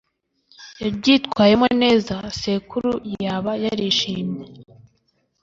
yabyitwayemo neza rwose; sekuru yaba yarishimye